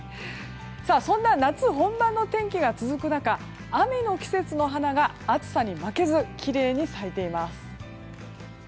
そんな夏本番の天気が続く中雨の季節の花が暑さに負けずきれいに咲いています。